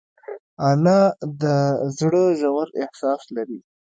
انا د زړه ژور احساس لري